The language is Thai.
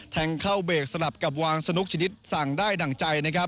แทงเข้าเบรกสลับกับวางสนุกชนิดสั่งได้ดั่งใจนะครับ